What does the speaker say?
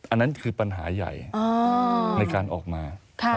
อันนั้นคือปัญหาใหญ่ในการออกมา